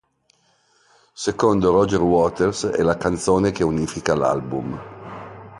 Secondo Roger Waters è la canzone che unifica l'album.